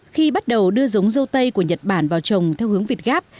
khi bắt đầu đưa giống dâu tây của nhật bản vào trồng theo hướng việt gáp